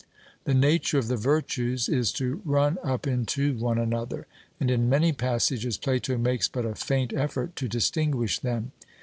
The nature of the virtues is to run up into one another, and in many passages Plato makes but a faint effort to distinguish them.